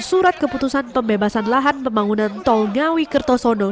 surat keputusan pembebasan lahan pembangunan tol ngawi kertosono